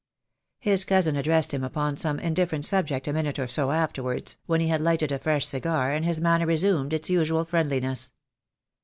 His cousin addressed him upon some indifferent sub ject a minute or so afterwards, when he had lighted a fresh cigar, and his manner resumed its usual friendliness.